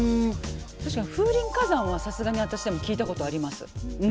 確かに「風林火山」はさすがに私でも聞いたことあります。